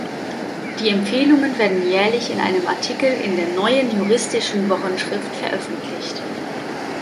Die Empfehlungen werden jährlich in einem Artikel in der Neuen Juristischen Wochenschrift veröffentlicht.